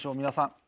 皆さん。